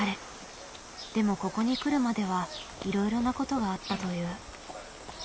でもここに来るまではいろいろなことがあったという。